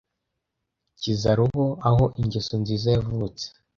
kiza roho aho ingeso nziza yavutse